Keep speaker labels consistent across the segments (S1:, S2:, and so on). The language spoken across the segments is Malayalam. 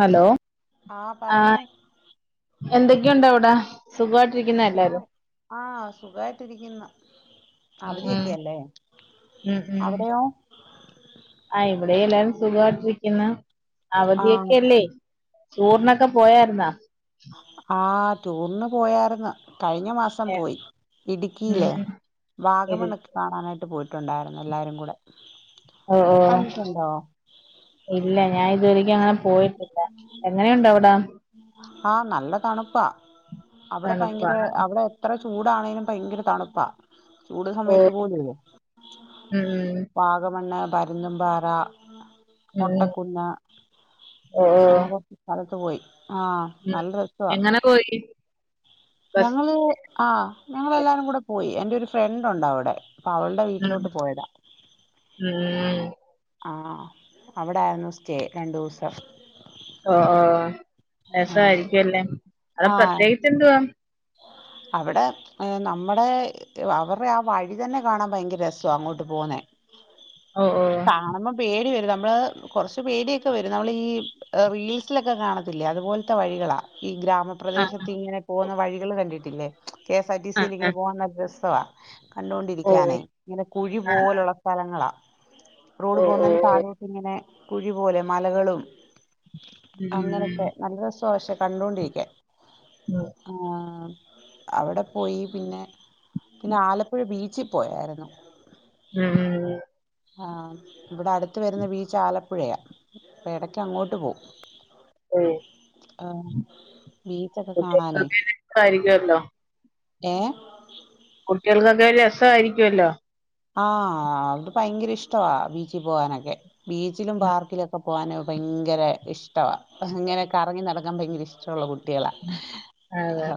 S1: ഹലോ ആഹ് എന്തൊക്കെയുണ്ടവ്ടെ സുഖായിട്ടിരിക്കുന്നേ?
S2: ആഹ് ആഹ് സുഖായിട്ടിരിക്കുന്നു. അവധിയൊക്കെയല്ലേ.
S1: ഉഹ് ഉഹ്
S2: അവിടെയോ
S1: ആഹ് ഇവിടെയെല്ലാരും സുഖായിട്ടിരിക്കുന്ന
S2: ആഹ്
S1: അവധിയൊക്കെല്ലേ ടൂറിനൊക്കെ പോയായിരുന്നാ?
S2: ആഹ് ടൂറിന് പോയാരുന്നു കഴിഞ്ഞ മാസ് സം പോയി ഇടുക്കിയില്
S1: ഉം ശരി.
S2: വാഗമണ്ണക്ക് കാണാനായിട്ട് പോയിട്ടുണ്ടായിരുന്നു എല്ലാരും കൂടെ
S1: ഓ ഓ
S2: കണ്ടിട്ടുണ്ടോ?
S1: ഇല്ല ഞാൻ ഇതുവരേക്കും അങ്ങനെ പോയിട്ടില്ല. എങ്ങനെയുണ്ടവ്ടെ?
S2: ആഹ് നല്ല തണുപ്പാ അവിടെ ഭയങ്കര
S1: തണുപ്പാണ്
S2: അവിടെ എത്ര ചൂടാണെങ്കിലും ഭയങ്കര തണുപ്പാ. ചൂട്
S1: ഓ
S2: സമയത്ത് പോലും ഉം.
S1: ഉം ഉം
S2: വാഗമണ്ണെ, പരുന്നുൻപാറ
S1: ഉം ഉം.
S2: മുട്ടക്കുന്ന
S1: ഓ ഓ
S2: ആകൊർച്ച് സ്ഥലത്ത് പോയി ആഹ്
S1: ഉം
S2: നല്ല രസ് വ
S1: എങ്ങനെ പോയി ബസ്
S2: ഞങ്ങ ള് ആഹ് ഞങ്ങെളെല്ലാരും കൂടെ പോയി. എന്റെ ഒരു ഫ്രണ്ടുണ്ടവ്ടെ പ്പഅവളുടെ വീട്ടിലോട്ട് പോയതാ.
S1: ഉഹ്
S2: ആഹ് അവിടായിരുന്നു സ്റ്റേ രണ്ടൂസം.
S1: ആഹ് ആഹ്
S2: ആഹ്
S1: രസായിരിക്ക്യൊല്ലേ അടേ പ്രത്യേകിച്ചെന്തുവാ?
S2: അവടെ ഏഹ് നമ്മടെ അവർടെ ആ വഴി തന്നെ കാണാൻ ഭയങ്കര രസ്വാ അങ്ങോട്ട് പോന്നേ.
S1: ഓ ഓ
S2: കാണുമ്പോ പേടി വരും നമ്മള് കുറച്ച് പേടിയൊക്കെ വരും നമ്മൾ ഈ റീൽസിലൊക്കെ കാണത്തില്ലേ അതുപോലത്തെ വഴികളാ ഈ ഗ്രമ
S1: ആ
S2: പ്രദേശത്ത് ഇങ്ങനെ പോകുന്ന വഴികൾ കണ്ടിട്ടില്ലേ കെ എസ് ആർ ടി
S1: ആ
S2: സിയിൽ
S1: ആ
S2: ഇങ്ങനെ പോകുന്ന രസവാ
S1: ഓ
S2: കണ്ടുകൊണ്ടിരിക്കാനേ ഇങ്ങനെ കുഴി
S1: ആ ആ
S2: പോലുള്ള സ്ഥലങ്ങളാ റോഡ്
S1: ഓ ഓ
S2: പോകുന്നതിന്റെ
S1: ഓ
S2: താഴോട്ട ഇങ്ങനെ കുഴി പോലെ മലകളും
S1: ഉം
S2: അങ്ങനത്തെ
S1: ഉം
S2: നല്ല രസ പക്ഷെ കണ്ടോൊണ്ടിരിക്കെ
S1: [unintelligible]
S2: ആഹ് അവിടെ പോയി പിന്നെ പിന്നെ ആലപ്പുഴ ബീച്ചിൽ പോയായിരുന്നു
S1: ഉം
S2: ആഹ് ഇവിടെ അടുത്ത് വരുന്ന ബീച്ച് ആലപ്പുഴയാണ് ഇടക്ക് അങ്ങോട്ട് പോവും
S1: ഓ
S2: ആഹ് ബീച്ചൊക്കെ കാണാനേ
S1: കുട്ടികൾക്കൊക്കെ [unintelligible]
S2: ഏ
S1: കുട്ടികൾക്കൊക്കെ രസമായിരിക്കുമല്ലോ
S2: ആഹ് അത് ഭയങ്കര ഇഷ്ടവാ ബീച്ചിൽ പോവാനൊക്കെ ബീച്ചിലും
S1: ഉം
S2: പാർക്കിലുംക്കെ പോകാൻ ഭയങ്കര ഇഷ്ടമാണ് അങ്ങനെയൊക്കെ ഇറങ്ങി നടക്കാൻ ഭയങ്കര ഇഷ്ടമുള്ള കുട്ടി കുട്ടികളാ
S1: ഉം അതെ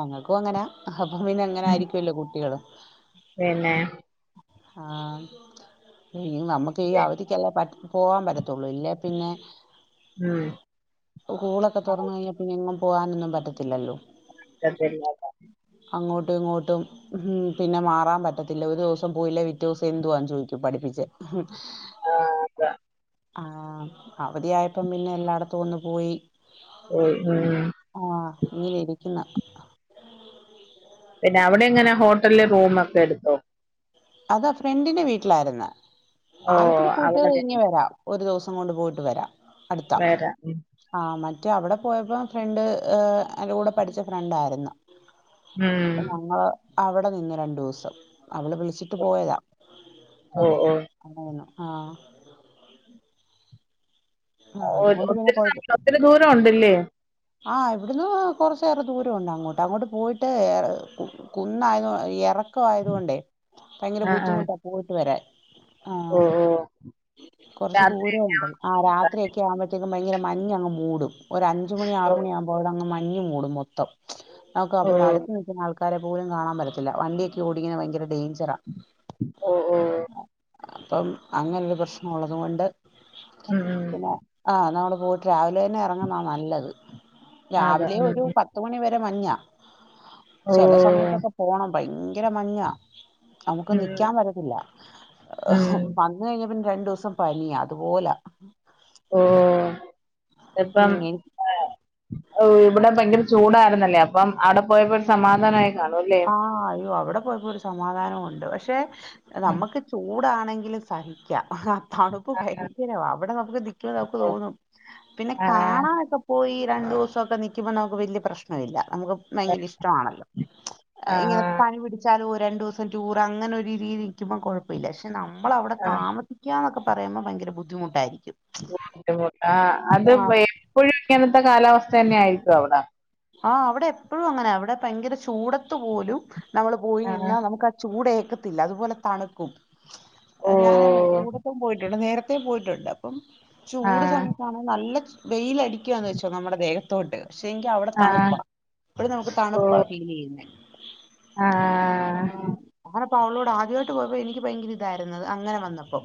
S2: ഞങ്ങൾക്കും അങ്ങനാ അപ്പം പിന്നെ അങ്ങനെ
S1: ഉം
S2: ആയിരിക്കുമല്ലോ കുട്ടികൾ
S1: പിന്നെ
S2: ആഹ് നമ്മുക്ക് ഈ അവധിക്കല്ലാം പറ്റു പോകാൻ പറ്റത്തുള്ളൂ ഇല്ലേ പിന്നെ
S1: ഉം
S2: സ്കൂളൊക്കെ
S1: ആ
S2: തുറന്ന് കഴിഞ്ഞ പിന്നെ അങ്ങങ് പോകാനൊന്നും പറ്റത്തില്ലല്ലോ
S1: [inaudible]
S2: അങ്ങോട്ടും ഇങ്ങോട്ടും പിന്നെ മാറാൻ പറ്റത്തില്ല ഒരു ദിവസം പോയില്ല വ്യത്യാസം എന്തുവാന്ന് ചോദിക്ക പഠിപ്പിച്ച്
S1: ആഹ് അതാ
S2: ആഹ് അവധിയായപ്പം പിന്നെ എല്ലായിടത്തും ഒന്ന് പോയി
S1: [unintelligible]
S2: ആഹ് ഇങ്ങനെ ഇരിക്കുന്നു
S1: പിന്നെ അവിടെ എങ്ങനെ ഹോട്ടലില് റൂമ ഒക്കെ എടുത്തോ
S2: അത് ഫ്രണ്ടിന്റെ വീട്ടിലായിരുന്നു
S1: ഓ
S2: ആലപ്പുഴ പോയിട്ട്
S1: അവിടെ വേ-
S2: ഇങ്ങെ വരാം ഒരു ദിവസം കൊണ്ട് പോയിട്ട് വരാം അടുത്താ
S1: വേറെ ഉം
S2: ആഹ് മറ്റ അവിടെ പോയപ്പോ ഫ്രണ്ട് അന്റെ കൂടെ പഠിച്ച ഫ്രണ്ടായിരുന്നു
S1: ഉം
S2: ഞങ്ങള് അവിടെ നിന്ന് രണ്ടു ദിവസം അവള് വിളിച്ചിട്ട് പോയതാ
S1: ഓ
S2: ഇപ്പം
S1: ഓ
S2: ആഹ് ആഹ് ആഹ് അതുകൊണ്ട് പിന്നെ കുഴപ്പമില്ല
S1: ഇത്തിരി ദൂര ഉണ്ടല്ലേ
S2: ആഹ് ഇവിടുന്ന് കുറച്ചേറെ ദൂരംണ്ട് അങ്ങോട്ട് അങ്ങോട്ട് പോയിട്ട് കുന്നായത് ഇറക്കയത് കൊണ്ടേ ഭയങ്കര
S1: ആ ആ
S2: ബുദ്ധിമുട്ടാ പോയിട്ട് വരാൻ
S1: ഓ
S2: ആഹ്
S1: ഓ
S2: കൊറച്ച് ദൂരം
S1: രാത്രിയൊക്കെ
S2: ഉണ്ട് ആഹ് രാത്രിയക്കെ ആകും പോഴത്തേക്കും ഭയങ്കര മഞ്ഞ് അങ്ങ് മൂടും അഞ്ച് മണി
S1: ഓ
S2: ആറ് മണിയാകുമ്പോ അവിടെ അങ്ങ് മഞ്ഞ് മുടും മൊത്തം
S1: ഓ
S2: നമ്മുടെ അടുത്ത് നിൽ ആൾക്ക പല പോലും കാണാൻ പറ്റത്തില്ല വണ്ടിയൊക്ക ഓടിക്കുന്ന ഭയങ്ക ഡേഞ്ചറാണ്
S1: ഓ ഓ
S2: അപ്പം അങ്ങനൊരു പ്രശ്നള്ളത് കൊണ്ട്
S1: ഉം ഉം
S2: ആഹ് നമ്മള് പോയിട്ട് രാവിലെ തന്നെ ഇറങ്ങുന്നാ നല്ലത്
S1: അതെ
S2: രാവിലെ
S1: ഉം
S2: ഒരു
S1: ഉം
S2: പത്ത് ത്ത് മണി വരെ മഞ്ഞാ
S1: ഓ
S2: ചെല സമയത്തൊക്കെ പോണം ഭയങ്കര മഞ്ഞാ നമുക്ക്
S1: ഉം
S2: നിക്കാൻ പറ്റത്തില്ല
S1: ഉം
S2: ഒഹും വന്ന് കഴിഞ്ഞ പിന്നെ രണ്ടൂസം പനിയാ അതുപോലാ
S1: ഓ
S2: ഉം
S1: ഇപ്പം
S2: എനിക്ക്
S1: ആഹ് ഇവ് ഇബടെ ഭയങ്കര ചൂടായിരുന്നല്ലേ അപ്പം അവിടെ പോയപ്പോ ഒരു സമാധാനായി കാണുംല്ലേ
S2: ആഹ് അയ്യോ അവിടെ പോയപ്പോ ഒരു സമാധാനവൊണ്ട് പക്ഷെ
S1: ഉം
S2: നമ്മുക്ക് ചൂടാണെങ്കില് സഹിക്ക അഹ തണുപ്പ് ഭയങ്കരാവാ അവടെ നമുക്ക് നിക്കാൻ നമുക്ക്
S1: ഓ
S2: തോന്നും പിന്നെ
S1: ആഹ്
S2: കാണാനൊക്കെ പോയി രണ്ടൂസൊക്കെ നിക്കുമ്പോ നമുക്ക് വല്ല്യ പ്രശ്നം ഇല്ല നമുക്ക് ഭയങ്കര ഇഷ്ടം ആണല്ലോ ഇങ്ങനെ
S1: ആഹ്
S2: പനി പിടിച്ചാലും ഒരു രണ്ടൂസം ടൂറ് അങ്ങനെ ഒരു രീതി ഇരിക്കുമ്പോ കൊഴ പ്പല്ല്യ പക്ഷെ നമ്മളവിടെ
S1: ആഹ്
S2: താമസിക്കന്നൊക്കെ പറയുമ്പോ ഭയങ്കര ബുദ്ധിമുട്ടായിരിക്കും
S1: ബുദ്ധിമുട്ട് ആഹ് അത്
S2: ആ
S1: എപ്പഴും ഇങ്ങനത്തെ കാലാവസ്ഥന്നെ ആയിരിക്കോ അവടെ
S2: ആഹ് അവടെ എപ്പഴും അങ്ങനാ അവടെ ഭയങ്കര ചൂടത്ത് പോലും നമ്മള് പോയി
S1: ആഹ്
S2: നിന്നാ നമുക്കാ ചൂടേക്കത്തില്ല അതുപോലെ തണുക്കും
S1: ഓ
S2: എഹ് ഞാന് ചൂടത്തും പോയിട്ടുണ്ട് നേര ത്തെ പോയിട്ടുണ്ട് അപ്പം ചൂട്
S1: ആഹ്
S2: സമയത്താണ് നല്ല വെയിലടിക്കുവാന്ന് വെച്ചോ നമ്മുടെ ദേഹ ത്തോട്ട് പക്ഷെങ്കി അവടെ
S1: ആഹ്
S2: തണുപ്പാ ഇപ്പഴും നമുക്ക്
S1: ഓ
S2: തണുപ്പാ ഫീലിയ്യുന്നേ
S1: ആഹ്
S2: ആഹ് അങ്ങനപ്പോ അവളോട് ആദ്യായിട്ട് പോയപ്പോ എനിക്ക് ഭയങ്കര ഇതായിരുന്നത് അങ്ങനെ വന്നപ്പോ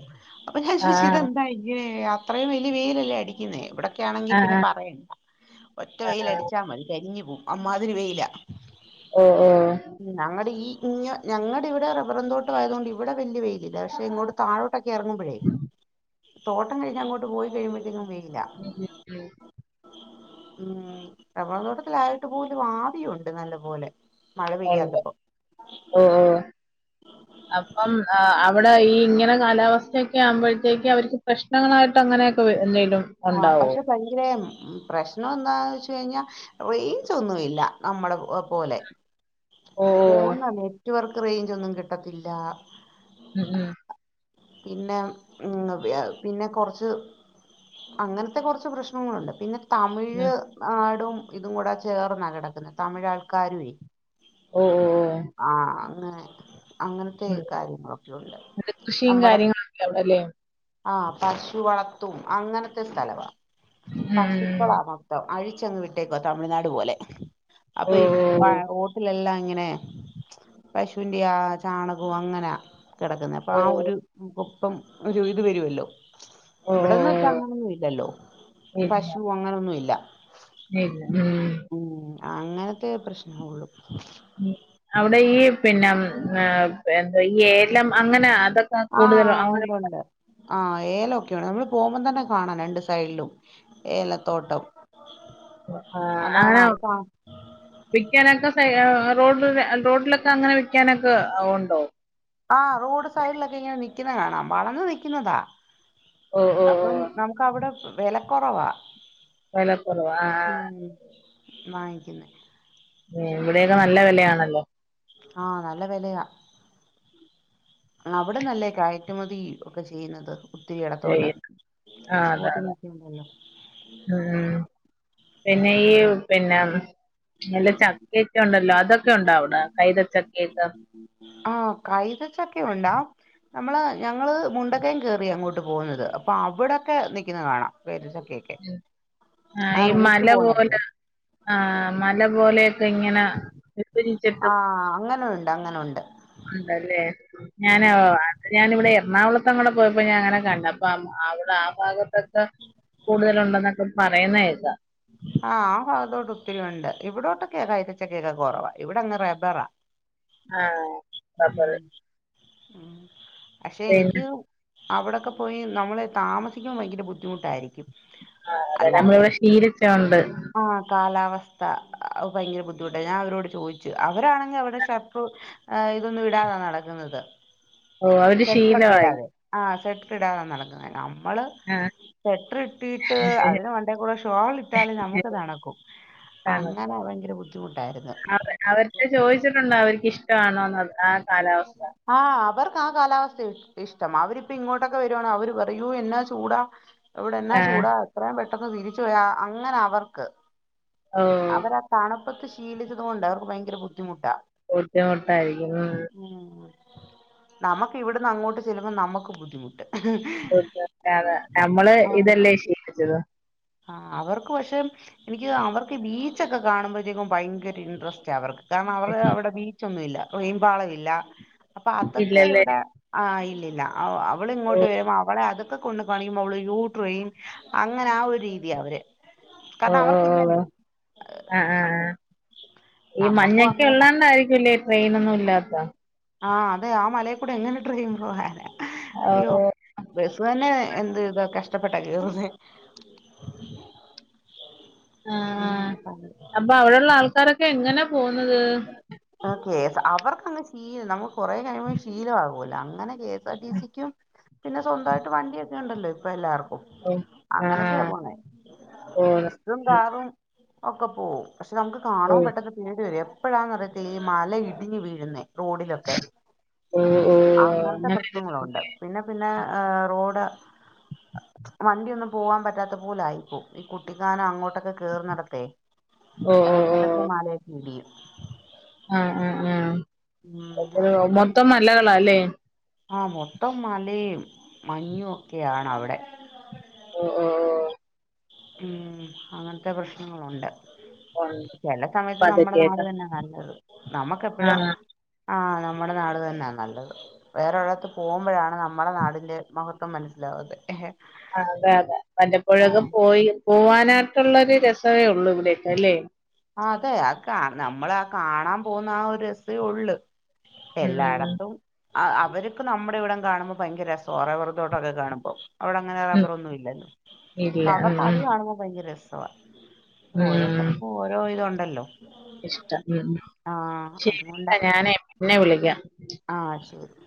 S2: അപ്പൊ ഞാൻ ചോയ്ച്ചു
S1: ആഹ്
S2: ഇതെന്താ ഇങ്ങനെ അത്രയും വല്ല്യ വെയിലല്ലേ അടിക്കുന്നേ ഇവടെ ക്ക്യാണെങ്കിൽ പിന്നെ പറയണ്ട ഒറ്റ വെയില്
S1: ആഹ്
S2: അടിച്ചാ മതി കരിഞ്ഞ് പോവും അമ്മാതിരി വെയിലാ
S1: ഓ ഓ
S2: ഉം ഞങ്ങടെ ഈ ഇഞ ഞങ്ങടെ ഇവിടെ റബ്ബറും തോട്ടം ആയത് കൊണ്ട് ഇവിടെ വല്യ വെയിലില്ല പക്ഷെ ഇങ്ങോട്ട് താഴോട്ടൊക്കെ എറങ്ങുമ്പോഴേ തോട്ടം കഴിഞ്ഞ് അങ്ങോട്ട് പോയി കഴിയുമ്പഴത്തേക്കും വെയില
S1: ഉം
S2: ഉം റെബ്ബറുംത്തോട്ടത്തിലായിട്ട് പോലും ആവിയുണ്ട് നല്ലപോലെ മഴ
S1: ഉണ്ട്
S2: പെയ്യാത്തപ്പോ
S1: ഓ
S2: ഉം
S1: ഓഹ് അപ്പം അ അവടെ ഈ ഇങ്ങനെ കാലാവസ്ഥയൊക്കെ ആവുമ്പോഴത്തേക്ക് അവർക്ക് പ്രശ്ന ങ്ങളായിട്ട് അങ്ങനെയൊക്കെ വെ എന്തേലും
S2: ആഹ്
S1: ഉണ്ടാവോ
S2: പക്ഷെ ഭയങ്കര ഉം പ്രശ്നം എന്താന്ന് വച്ച് കഴിഞ്ഞാ റേഞ്ചോന്നുല്ല നമ്മ്ടെ ഒ പോലെ
S1: ഓ ഓ
S2: ഫോൺണാ നെറ്റ്‌വർക്ക് റേഞ്ച് ഒന്നും കിട്ടത്തില്ല
S1: ഉം ഉം
S2: പിന്നെ ഉം വ്യാഹ് പിന്നെ കൊറച്ച് അങ്ങൻത്തെ കൊറച്ച് പ്രശ്നങ്ങളുണ്ട് പിന്നെ
S1: ഉം
S2: തമിഴ് നാടും ഇതും കൂടെ ചേർന്ന കെടക്കുന്നേ തമിഴ് ആൾക്കാരുവേ
S1: ഓ ഓ ഓ.
S2: ആഹ് അങ്ങനെ അങ്ങനത്തെ
S1: ഉം.
S2: കാര്യങ്ങളൊക്കെ ഉണ്ട്
S1: അത് കൃഷിയും
S2: നമ്മടെ
S1: കാര്യങ്ങളൊക്കെ അവിടെ അല്ലേ
S2: ആഹ് പശു വളർത്തും അങ്ങനത്തെ സ്ഥലവാ ഈ പശു ക്കളാ
S1: ഉം
S2: മൊത്തം അഴിച്ചങ്ങ് വിട്ടേക്കുവാ തമിഴ്നാട് പോലെ
S1: ഓ
S2: അപ്പൊ ഈ മ
S1: ഓ
S2: റോ ട്ടിലെല്ലാം ഇങ്ങനെ പശുവിന്റെ ആ ചാണകോം അങ്ങനാ കെടക്ക്ന്നേ അപ്പൊ
S1: ഓ
S2: ആ ഒരു കൊപ്പം ഒരു ഇത് വരുവല്ലോ
S1: ഓ ഓ
S2: ഇവിടന്ന് അങ്ങനൊന്നും ഇല്ലല്ലോ
S1: ഇല്ല
S2: പശു അങ്ങനൊന്നും ഇല്ല
S1: ഇല്ല ഉം
S2: ഉം അങ്ങനത്തെ പ്രശ്നോ ഒള്ളു
S1: അവടെ ഈ പിന്നെ ഉം എന്താ ഈ ഏലം അങ്ങനെ അതൊ ക്ക കൂടുതലോ
S2: ആഹ്
S1: അങ്ങനെ
S2: ഉണ്ടുണ്ട് ആഹ് ഏലം ഒക്കെ ഉണ്ട് നമ്മള് പോവുമ്പം തന്നെ കാണാം രണ്ട് സൈഡിലും ഏലത്തോട്ടം
S1: ആഹ്
S2: അതാണോ
S1: അങ്ങനാ
S2: അത് കാ
S1: വിക്കാനൊക്കെ ത റോഡ റോഡിലൊക്കെ അങ്ങനെ വിക്കാനൊക്കെ ഒണ്ടോ
S2: ആ റോഡ് സൈഡിലൊക്കെ ഇങ്ങനെ നിക്ക്ന്ന കാണാം വളർന്ന് നിക്ക്ന്നതാ
S1: ഓ ഒ
S2: അപ്പം നമുക്ക് അവ്ടെ വെലക്കൊറവാ
S1: വെലക്കുറവ് ആഹ് ആഹ്
S2: ഉം വാങ്ങിക്കുന്നേ
S1: ഏഹ് ഇവിടെയൊക്കെ നല്ല വെലയാണല്ലോ?
S2: ആഹ് നല്ല വെലയാ അവിടുന്നല്ലേ കയറ്റുമതി ഒക്കെ ചെയ്യുന്നത്. [unintelligible] ഇടത്തോട്ട്
S1: ആഹ് അതെ
S2: എക്സ്പോർട്ടിങ്ങ്
S1: അതെ
S2: ഒക്കെ ഉണ്ടല്ലോ
S1: ഉം ഉം പിന്നെ ഈ പിന്നാ മ് നല്ല ചക്കെക്ക ഒണ്ടല്ലോ അതൊക്കെ ഉണ്ടാ അവിടെ കൈതച്ചക്കേക്ക
S2: ആ കൈതച്ചക്ക ഉണ്ടാ നമ്മള് ഞങ്ങള് മുണ്ടക്കയം കേറി അങ്ങോട്ട് പോകുന്നത് അപ്പൊ അവിടൊക്കെ നിക്കുന്നത് കാണാം കൈതചക്കെക്ക
S1: ആ ഈ മല
S2: പോന്നടത്ത്
S1: പോലെ ആഹ് മല പോലെ ഇങ്ങനെ [unintelligible]
S2: ആഹ് അങ്ങനെ ഉണ്ട് അങ്ങനെ ഉണ്ട്
S1: ഉണ്ടല്ലേ ഞാനോ
S2: ഉം
S1: ഞാനിവിടെ എറണാകുളത്തങ്ങടെ പോയപ്പോ ഞാൻ അങ്ങനെ കണ്ടു അപ്പൊ അവിടെ ആ ഭാഗത്തൊക്കെ കൂടുതല് ഉണ്ടെന്നൊക്കെ പറയുന്ന കേക്കാ
S2: ആഹ് ആ ഭാഗത്തോട്ട് ഒത്തിരി ഉണ്ട് ഇവിടോട്ടൊക്കെയാ കൈതച്ചക്കയക്ക കൊറവ് ഇവിടെങ്ങ് റെബറാ
S1: ആ റബ്ബർ
S2: ഉം ഉം പക്ഷെ
S1: പിന്നെ
S2: എനിക്ക് അവിടൊക്കെ പോയി നമ്മള് താമസിക്കുമ്പ ഭയങ്കര ബുദ്ധിമുട്ടായിരിക്കും
S1: ആ അതെ നമ്മളിവിടെ ശീലിച്ചോണ്ട്
S2: ആ കാലാവസ്ഥ ഭയങ്കര ബുദ്ധിമുട്ടാ ഞാൻ അവരോട് ചോദിച്ചു അവരാണെങ്കി അവരുടെ ഷർ ആ ഇതൊന്നും ഇടാതാ നടക്കുന്നത്
S1: ഓ അവര്
S2: സ്വറ്ററൊക്കെ
S1: ശീലമായി
S2: ഇടാതെ ആ സ്വറ്റർ ഇടാതെ നടക്കുന്ന നമ്മള്
S1: ആ
S2: സ്വറ്റർ ഇട്ടിട്ട് അതിന് മണ്ടേ കൂടെ ഷോള് ഇട്ടാല് നമുക്ക് തണുക്കും
S1: ആണ് ട്ടോ.
S2: അങ്ങനെ ഭയങ്കര ബുദ്ധിമുട്ടായിരുന്നു
S1: അവ- അവർക്ക് ചോദിച്ചിട്ടുണ്ട് അവർക്കിഷ്ടമാണോന്ന് ആ കാലാവസ്ഥ
S2: ആ അവർക്ക് ആ കാലാവസ്ഥയാ ഇ ഇഷ്ടം അവരിപ്പ ഇങ്ങോട്ടൊക്കെ വരുവാണേ അവര് പറയൂ എന്നാ ചൂടാ ഇവിടെ എന്നാ
S1: ആ
S2: ചൂടാ എത്രയും പെട്ടെന്ന് തിരിച്ചു പോയാ അങ്ങനാ അവർക്ക്
S1: ഓ
S2: അവര് തണുപ്പത്ത് ശീലിച്ചത് കൊണ്ട് അവർക്ക് ഭയങ്കര ബുദ്ധിമുട്ടാ
S1: ബുദ്ധിമുട്ടായിരിക്കും ആ
S2: ഉം നമുക്ക് ഇവിടുന്ന് അങ്ങോട്ട് ചെല്ലുമ്പോ നമുക്ക് ബുദ്ധിമുട്ട്
S1: [unintelligible] നമ്മള്
S2: ആ
S1: ഇതല്ലേ ശീലിച്ചത്
S2: ആ അവർക്ക് പക്ഷെ എനിക്ക് അവർക്ക് ബീച്ചൊക്കെ കാണുമ്പോഴത്തേക്കും ഭയങ്കര ഇൻട്രസ്റ്റാ അവർക്ക് കാരണം അവര് അവിടെ ബീച്ചൊന്നുമില്ലാ റെയിൻ പാളമില്ലാ അപ്പൊ അതൊക്കെ
S1: ഇല്ലല്ലേ
S2: ഇവിടെ ആഹ് ഇല്ലില്ലാ
S1: ഓ
S2: അവളിങ്ങോട്ട് വരുമ്പ അവളെ അതൊക്കെ കൊണ്ട് കാണിക്കുമ്പോ അവള് അയ്യോ ട്രയിൻ അങ്ങനെ ആ ഒരു രീതിയാ അവര്
S1: ഓ
S2: കാരണം
S1: ഓ ഓ.
S2: അവർക്കില്ലല്ലോ
S1: ആ ആ ആ
S2: അങ്ങനെ നമ്മുക്കും അങ്ങനെ
S1: ക്കണ്ടായിരിക്കും ഇല്ലേ ട്രെയിനൊന്നും ഇല്ലാത്ത
S2: ആഹ് അതെ ആ മലേൽക്കൂടെ എങ്ങനെ ട്രെയിൻ പോകാനാ അയ്യോ
S1: ഓഹ്
S2: ബസ് തന്നെ എന്ത് ഇതാ കഷ്ടപ്പെട്ടാ കേറുന്നേ
S1: [inaudible] ആ
S2: ഉം
S1: അപ്പൊ അവിടൊള്ള ആൾക്കാരൊക്കെ എങ്ങനാ പോകുന്നത്
S2: കേസ് അവർക്കങ്ങ് ശീലം നമുക്ക് കൊറേ കഴിയുമ്പോ ശീലമാകോലാ അങ്ങനെ കേ ടി സിക്കും പിന്നെ സ്വന്തമായിട്ട് വണ്ടിയൊക്കെ ഉണ്ടല്ലോ ഇപ്പൊ എല്ലാവർക്കും
S1: ഓഹ്
S2: അങ്ങനൊക്കെയ
S1: ആഹ്
S2: പോവുന്ന്
S1: ഓഹ്
S2: ബസും കാറും ഒക്കെ പോവും പക്ഷെ നമുക്ക് കാണാം
S1: ഓഹ്
S2: പെട്ടെന്ന് ഇത് എപ്പഴാന്ന് അറിയത്തില്ല ഈ മല ഇടിഞ്ഞ് വീഴുന്നേ റോഡിലൊക്കെ
S1: ഓഹ് ഓഹ്
S2: അങ്ങനത്തെ
S1: അങ്ങനെ
S2: പ്രശ്നങ്ങളുംണ്ട് പിന്നെ പിന്നെ ഏഹ് റോഡ് വണ്ടിയൊന്നും പോവാൻ പറ്റാത്ത പോലായിക്കും ഈ കുട്ടിക്കാനം അങ്ങോട്ടൊക്കെ കേറുന്നെടത്തേ
S1: ഓഹ് ഓഹ്
S2: എടക്കിടക്ക്
S1: ഓഹ്
S2: മലക്കെ ഇടിയും
S1: ആഹ് ആഹ് ആഹ്
S2: ഉം അങ്ങനത്തെ
S1: [unintelligible] ഇല്ലേ
S2: ആഹ് മൊത്തം മലയും മഞ്ഞും ഒക്കെയാണവിടെ
S1: ഓഹ് ഓഹ്
S2: ഉം അങ്ങനത്തെ പ്രശ്നങ്ങളുണ്ട്
S1: ഉണ്ട്
S2: ചെല സമയത്ത് നമ്മുടെ നാട്
S1: പതുക്കെയൊക്കെ
S2: തന്നെ നല്ലത് നമ്മുക്കെപ്പഴും
S1: ആഹ്
S2: ആഹ് നമ്മുടെ നാട് തന്നെ നല്ലത് വേറൊരിടത്ത് പോകുമ്പഴാണ് നമ്മളെ നാടിന്റെ മഹത്വം മനസ്സിലാവുന്നെ
S1: ആഹ് അതെ അതെ വല്ലപ്പോഴൊക്കെ പോയി പോവാനായിട്ടുള്ളൊരു രസവെ ഉള്ളു ഇവിടേക്ക് അല്ലേ
S2: ആഹ് അതെ അത് കാൺ നമ്മളാ കാണാൻ പോവുന്ന ആ ഒരു രസേ ഒള്ള്
S1: ഉം
S2: എല്ലാടെത്തും അ അ അവർക്ക് നമ്മുടെ ഇവിടം കാണുമ്പോ ഭയങ്കര രസാ റബറ് തോട്ടൊക്കെ കാണുമ്പോ അവിടെ അങ്ങനെ
S1: ഉം
S2: റബ്ബറൊന്നും ഇല്ലല്ലോ
S1: ഇല്ല
S2: അപ്പൊ
S1: ഉം
S2: അവർക്ക് അത്
S1: ഉം
S2: കാണുമ്പോ ഭയങ്കര രസവാ
S1: ഉം
S2: ഓരോരുത്തർക്കും ഓരോ ഇതു ഉണ്ടല്ലോ
S1: ഇഷ്ടം ഉം ഉം
S2: അതുകൊണ്ടാ
S1: ശരിട്ടോ ഞാനേ പിന്നെ വിളിക്കാം
S2: ആഹ് ശരിന്നാ